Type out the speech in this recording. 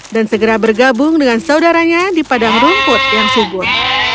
dan segera bergabung dengan saudaranya di padang rumput yang subuh